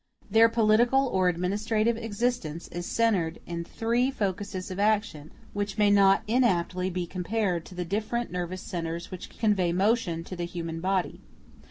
Their political or administrative existence is centred in three focuses of action, which may not inaptly be compared to the different nervous centres which convey motion to the human body.